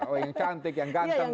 oh yang cantik yang ganteng